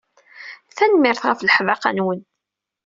Tanemmirt ɣef leḥdaqa-nwen.